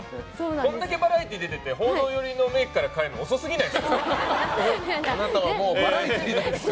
これだけバラエティー出ていて報道寄りのメイクから変えるの遅すぎないですか。